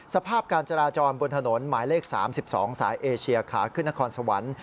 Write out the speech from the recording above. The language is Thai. สภาพการจราจรบนถนนหมายเลข๓๒สายเอเชียขาขึ้นนครสวรรค์